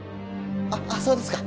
あっそうですか。